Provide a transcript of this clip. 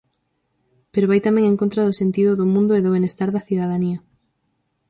Pero vai tamén en contra do sentido do mundo e do benestar da cidadanía.